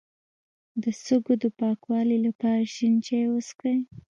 د سږو د پاکوالي لپاره شین چای وڅښئ